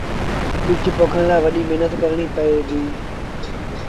ٻج پوکڻ لآ وڏيٚ مهنت ڪرڻيٚ پئي ديٚ